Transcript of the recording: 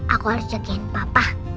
aku harus jagain papa